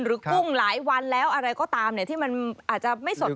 หรือกุ้งหลายวันแล้วอะไรก็ตามเนี้ยที่มันอาจจะไม่สดใหม่